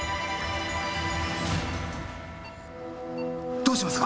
どうしますか？